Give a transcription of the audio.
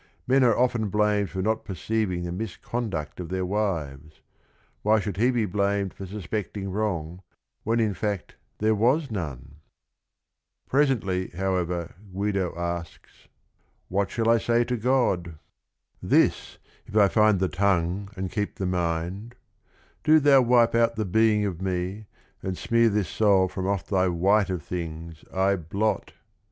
Men are often blamed for not perceiving the mis conduct of their wives; why should he be blamed for suspecting wrong when in fact there was none? Presently, however, Guido asks : "What shall I say to God? This, if I find the tongue and keep the mind — 'Do Thou wipe out the being of me, and smear This soul from off Thy white of things, I blot